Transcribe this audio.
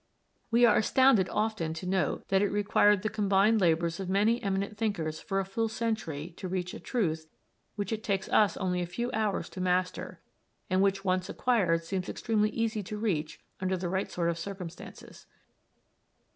We are astounded often to note that it required the combined labors of many eminent thinkers for a full century to reach a truth which it takes us only a few hours to master and which once acquired seems extremely easy to reach under the right sort of circumstances.